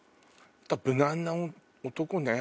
無難な男ね。